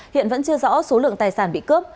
hiện vẫn chưa rõ số lượng tài sản bị cướp